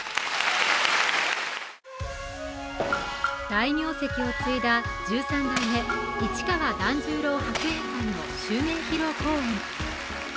大名跡を継いだ十三代目市川團十郎白猿さんの襲名披露公演。